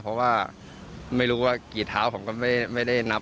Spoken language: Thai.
เพราะว่าไม่รู้ว่ากี่เท้าผมก็ไม่ได้นับ